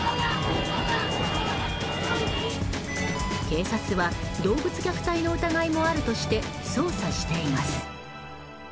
警察は動物虐待の疑いもあるとして、捜査しています。